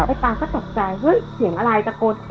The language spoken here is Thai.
ไอ้ปลาก็ตกใจเฮ้ยเสียงอะไรจากกด